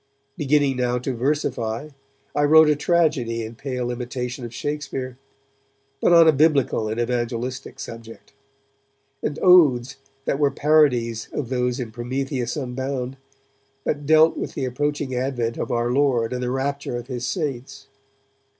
Beginning now to versify, I wrote a tragedy in pale imitation of Shakespeare, but on a Biblical and evangelistic subject; and odes that were parodies of those in 'Prometheus Unbound', but dealt with the approaching advent of our Lord and the rapture of His saints.